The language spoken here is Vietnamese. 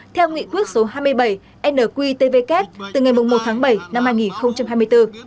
theo nghị quyết số hai mươi bảy nqtvk từ ngày một tháng bảy năm hai nghìn hai mươi bốn